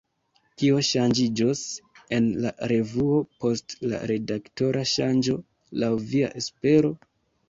Kio ŝanĝiĝos en la revuo post la redaktora ŝanĝo, laŭ via espero?